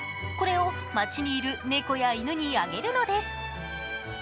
これを街にいる猫や犬にあげるのです。